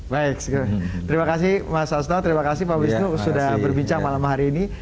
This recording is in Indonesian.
baik terima kasih mas asto terima kasih pak wisnu sudah berbincang malam hari ini